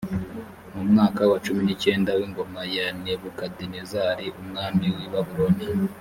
mu mwaka wa cumi n’icyenda w ingoma ya nebukadinezari umwami w’i babuloni